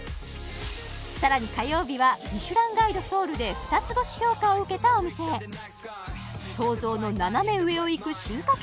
さらに火曜日はミシュランガイドソウルで２つ星評価を受けたお店へ想像の斜め上をいく進化系